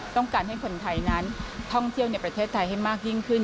ต้องการให้คนไทยนั้นท่องเที่ยวในประเทศไทยให้มากยิ่งขึ้น